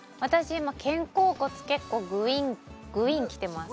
今肩甲骨結構グイングインきてます